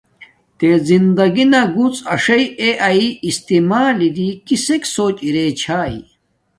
تے دندگی نا گڎ اݽݵ اے اݵݵ استعمال لݵ کسک سوچ ارے چھاݵ